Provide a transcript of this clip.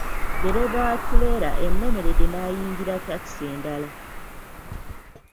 Ddereeva wa ttuleera emulemeredde n'ayingira takisi endala.